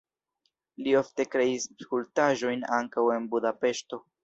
Li ofte kreis skulptaĵojn ankaŭ en Budapeŝto.